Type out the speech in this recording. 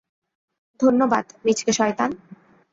ধন্যবাদ, মিচকে শয়তান।